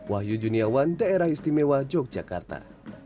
wahyu juniawan daerah istimewa yogyakarta